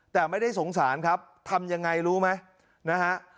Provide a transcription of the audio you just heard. แต่ไม่ได้สงสารครับทำยังไงรู้ไหมนะฮะ